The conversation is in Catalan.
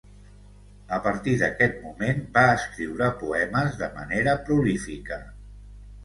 A partir d’aquest moment va escriure poemes de manera prolífica.